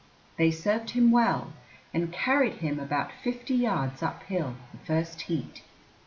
They served him well, and carried him about fifty yards up hill the first heat.